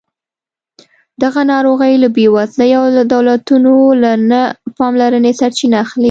دغه ناروغۍ له بېوزلۍ او دولتونو له نه پاملرنې سرچینه اخلي.